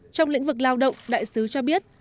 trong lĩnh vực lao động đại sứ cho biết